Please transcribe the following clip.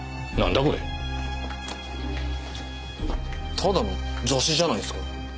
ただの雑誌じゃないですか？